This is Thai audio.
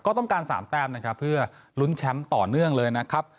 ก็ต้องการ๓แต้มนะครับเพื่อลุ้นแชมป์ต่อเนื่องเลยนะครับ